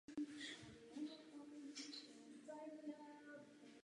Byl rovněž poslancem Haličského zemského sněmu.